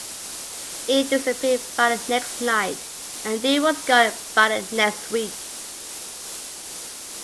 "E" disappeared by the next night and "D" was gone by the next week.